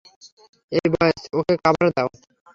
এই বয়েজ, ওকে কাভার দাও।